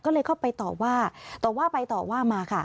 ก็เลยเข้าไปต่อว่าต่อว่าไปต่อว่ามาค่ะ